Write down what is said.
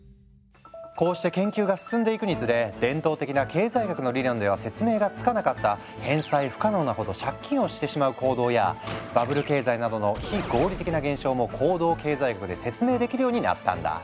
こうして研究が進んでいくにつれ伝統的な経済学の理論では説明がつかなかった返済不可能なほど借金をしてしまう行動やバブル経済などの非合理的な現象も行動経済学で説明できるようになったんだ。